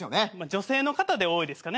女性の方で多いですかね。